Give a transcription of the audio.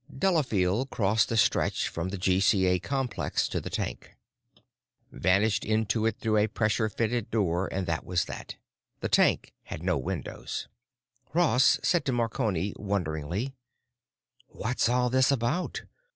Delafield crossed the stretch from the GCA complex to the tank, vanished into it through a pressure fitted door and that was that. The tank had no windows. Ross said to Marconi, wonderingly: "What's all this about?